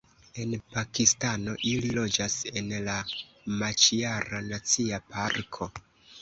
En Pakistano ili loĝas en la Maĉiara Nacia Parko.